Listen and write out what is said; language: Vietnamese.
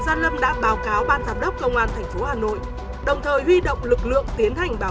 gia lâm đã báo cáo ban giám đốc công an thành phố hà nội đồng thời huy động lực lượng tiến hành bảo